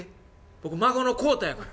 僕孫の孝太やから」。